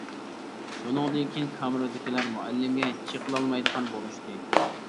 شۇنىڭدىن كېيىن كامېردىكىلەر مۇئەللىمگە چېقىلالمايدىغان بولۇشتى.